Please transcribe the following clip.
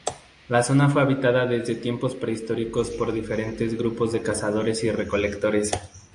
La zona fue habitada desde tiempos prehistóricos por diferentes grupos de cazadores y recolectores.